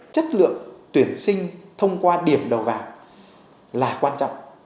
chất lượng tuyển sinh thông qua điểm đầu vào là quan trọng